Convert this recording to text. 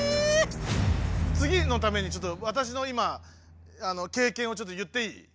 つぎのためにちょっとわたしの今けいけんをちょっと言っていい？